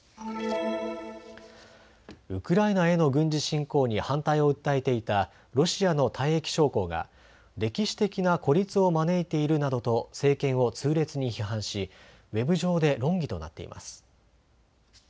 ウクライナへの軍事侵攻に反対を訴えていたロシアの退役将校が歴史的な孤立を招いているなどと政権を痛烈に批判しウェブ上で論議となっています。